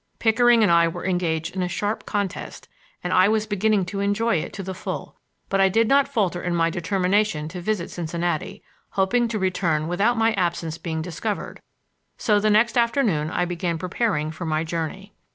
Pickering and I were engaged in a sharp contest, and I was beginning to enjoy it to the full, but I did not falter in my determination to visit Cincinnati, hoping to return without my absence being discovered; so the next afternoon I began preparing for my journey.